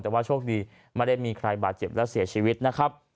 แต่ว่าโชคดีไม่ได้มีใครบาดเจ็บและเสียชีวิตนะครับ